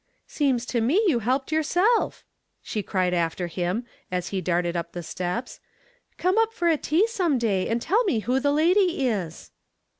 "Seems to me you helped yourself," she cried after him as he darted up the steps. "Come up for tea some day and tell me who the lady is."